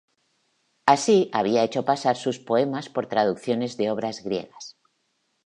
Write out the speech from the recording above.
Así, había hecho pasar sus poemas por traducciones de obras griegas.